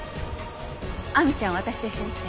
亜美ちゃんは私と一緒に来て。